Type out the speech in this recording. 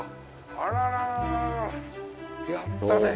あらららやったね。